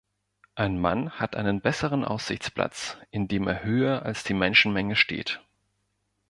Ein Mann hat einen besseren Aussichtsplatz, indem er höher als die Menschenmenge steht.